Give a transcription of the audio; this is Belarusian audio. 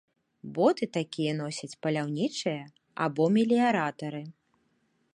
Боты такія носяць паляўнічыя або меліяратары.